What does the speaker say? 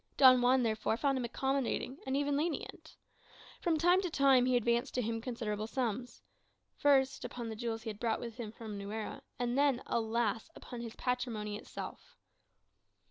Don Juan, therefore, found him accommodating, and even lenient. From time to time he advanced to him considerable sums, first upon the jewels he brought with him from Nuera, and then, alas! upon his patrimony itself.